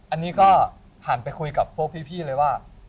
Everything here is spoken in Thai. อันนี้ก็หันไปคุยกับพวกพี่เลยว่า